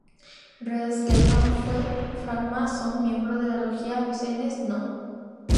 Red Skelton fue francmasón, miembro de la Logia Vincennes No.